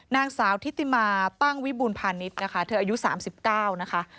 นางสาวทิติมาตั้งวิบูรพาณิชย์นะคะเธออายุ๓๙นะคะ